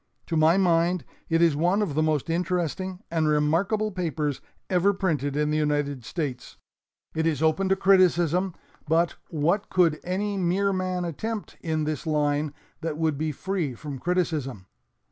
To my mind it is one of the most interesting and remarkable papers ever printed in the United States. It is open to criticism, but what could any mere man attempt in this line that would be free from criticism.